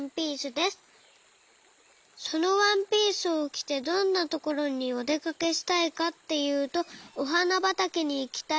そのワンピースをきてどんなところにおでかけしたいかっていうとおはなばたけにいきたいです。